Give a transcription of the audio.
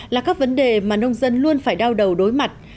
là các vấn đề mà nông dân luôn phải đau đầu đối mặt